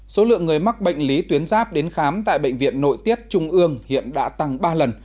số lượng người mắc bệnh lý tuyến giáp đến khám tại bệnh viện nội tiết trung ương hiện đã tăng ba lần